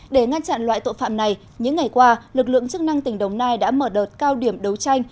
để ngăn chặn loại tội phạm này những ngày qua lực lượng chức năng tỉnh đồng nai đã mở đợt cao điểm đấu tranh